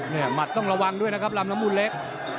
ที่นะมัดต้องระวังด้วยนะครับลำรมูลเล็ก